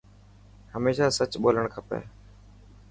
هميشه سچ ٻولڻ کپي.